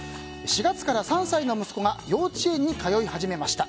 ４月から３歳の息子が幼稚園に通い始めました。